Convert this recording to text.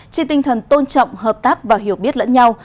trên tinh thần tôn trọng hợp tác và hiểu biết lẫn nhau